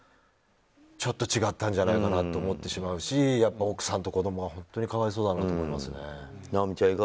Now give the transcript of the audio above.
ちょっと違ったんじゃないかと思ってしまうしやっぱ奥さんと子供は本当に可哀想だなと思いますね。